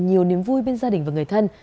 nhiều niềm vui bên gia đình và người thân